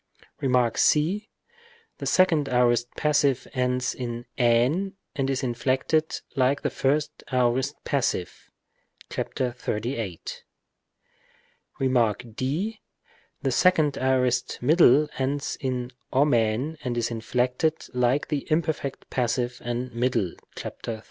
Rem. c. The second aorist passive ends in ἣν and is inflected like the first aorist passive (§ 38). Rem. d. The second aorist middle ends in ou and is inflected like the imperfect passive and middle (§ 32).